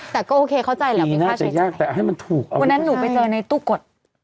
แต่ก็โอเคเข้าใจแล้วมีค่าใช้จ่ายวันนั้นหนูไปเจอในตู้กฎ